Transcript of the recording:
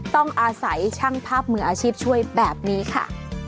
ต้องอาศัยช่างภาพมืออาชีพช่วยแบบนี้ค่ะ